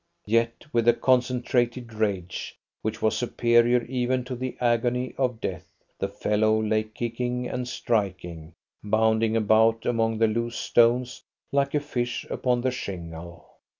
Yet with a concentrated rage, which was superior even to the agony of death, the fellow lay kicking and striking, bounding about among the loose stones like a fish upon the shingle.